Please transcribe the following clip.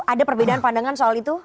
ada perbedaan pandangan soal itu